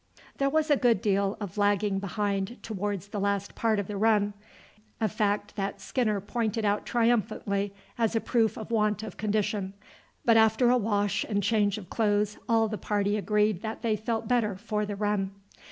There was a good deal of lagging behind towards the last part of the run, a fact that Skinner pointed out triumphantly as a proof of want of condition, but after a wash and change of clothes all the party agreed that they felt better for the run.